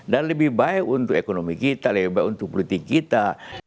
dan lebih baik untuk ekonomi kita lebih baik untuk politik kita